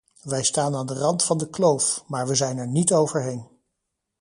Wij staan aan de rand van de kloof, maar we zijn er niet overheen.